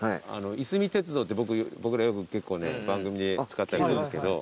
いすみ鉄道って僕らよく結構ね番組で使ったりするんですけど。